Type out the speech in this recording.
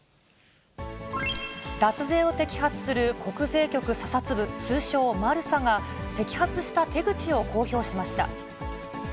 脱税を摘発する国税局査察部、通称マルサが、摘発した手口を公表しました。